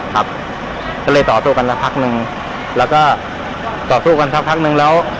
ครับก็เลยต่อสู้กันสักพักหนึ่งแล้วก็ต่อสู้กันสักพักนึงแล้ว